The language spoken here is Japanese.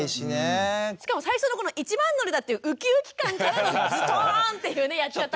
しかも最初のこの一番乗りだっていうウキウキ感からのズトーンっていうね「やっちゃった！」感。